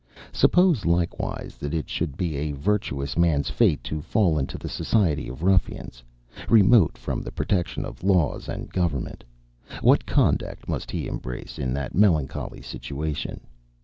Suppose, likewise, that it should be a virtuous man's fate to fall into the society of ruffians, remote from the protection of laws and government; what conduct must he embrace in that melancholy situation?